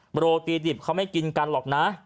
โรตีดิบเขาไม่กินกันหรอกนะ